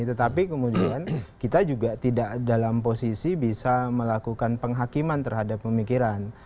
tetapi kemudian kita juga tidak dalam posisi bisa melakukan penghakiman terhadap pemikiran